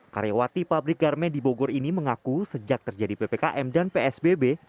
karyawati pabrik garme di bogor ini mengaku sejak terjadi ppkm dan psbb